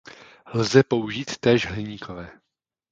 Lze použít též hliníkové.